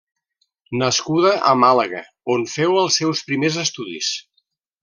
Nascuda a Màlaga on feu els seus primers estudis.